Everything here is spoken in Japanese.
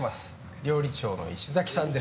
料理長の石崎さんです。